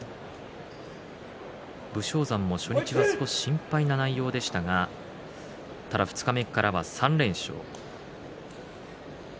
武将山も初日は少し心配な内容でしたがただ二日目以降は３連勝。